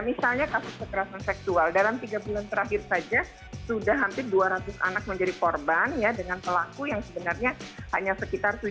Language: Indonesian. misalnya kasus kekerasan seksual dalam tiga bulan terakhir saja sudah hampir dua ratus anak menjadi korban ya dengan pelaku yang sebenarnya hanya sekitar